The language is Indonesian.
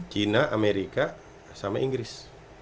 china amerika sama inggris